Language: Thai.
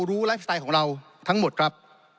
ไลฟ์สไตล์ของเราทั้งหมดครับ